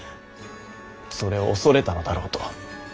それを恐れたのだろうと。